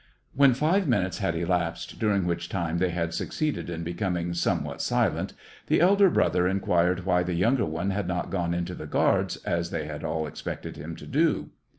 When five minutes had elapsed, during which time they had succeeded in becoming somewhat silent, the elder brother inquired why the younger had not gone into the guards, as they had all expected him to do.